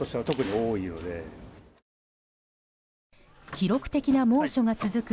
記録的な猛暑が続く